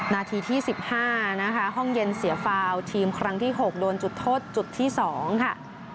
นาทีที่๑๕นะคะห้องเย็นเสียฟาวทีมครั้งที่๖โดนจุดโทษจุดที่๒ค่ะ